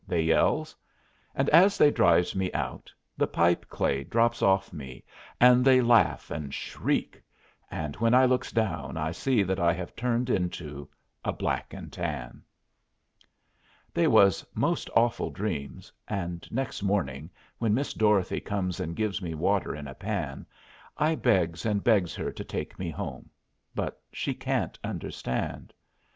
they yells. And as they drives me out, the pipe clay drops off me, and they laugh and shriek; and when I looks down I see that I have turned into a black and tan. They was most awful dreams, and next morning, when Miss Dorothy comes and gives me water in a pan, I begs and begs her to take me home; but she can't understand.